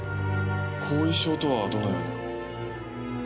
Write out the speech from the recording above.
後遺症とはどのような？